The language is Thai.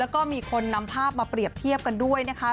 แล้วก็มีคนนำภาพมาเปรียบเทียบกันด้วยนะคะ